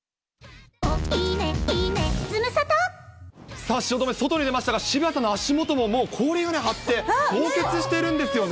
さあ、汐留、外に出ましたが、渋谷さんの足元も、もう氷が張って、凍結してるんですよね。